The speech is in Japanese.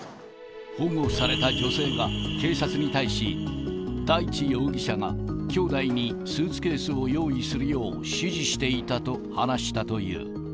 保護された女性が警察に対し、大地容疑者が、きょうだいにスーツケースを用意するよう指示していたと話したという。